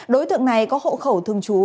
đối tượng này có hộ khẩu thường trú